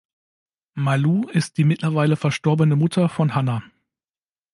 Malou ist die mittlerweile verstorbene Mutter von Hannah.